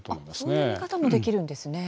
そういう見方もできるんですね。